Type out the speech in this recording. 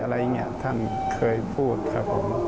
อะไรอย่างนี้ท่านเคยพูดครับผม